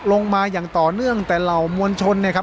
อย่างต่อเนื่องแต่เหล่ามวลชนเนี่ยครับ